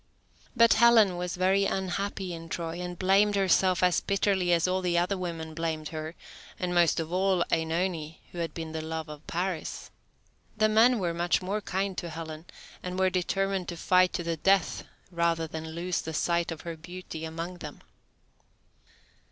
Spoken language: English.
But Helen was very unhappy in Troy, and blamed herself as bitterly as all the other women blamed her, and most of all OEnone, who had been the love of Paris. The men were much more kind to Helen, and were determined to fight to the death rather than lose the sight of her beauty among them.